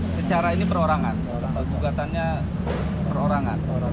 secara ini perorangan gugatannya perorangan